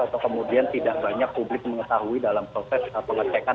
atau kemudian tidak banyak publik mengetahui dalam proses pengecekan